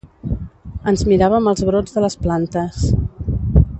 Ens miràvem els brots de les plantes.